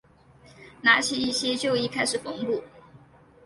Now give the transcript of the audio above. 拿起一些旧衣开始缝补